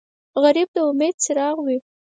غریب د امید څراغ وي